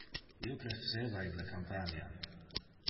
Io cresceva in le campania.